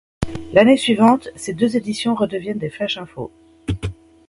L'année suivante, ces deux éditions redeviennent des flashs info.